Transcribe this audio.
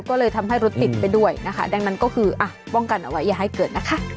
ก็เลยทำให้รถติดไปด้วยนะคะดังนั้นก็คืออ่ะป้องกันเอาไว้อย่าให้เกิดนะคะ